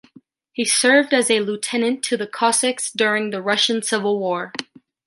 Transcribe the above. He served as a lieutenant to the Cossacks during the Russian Civil War.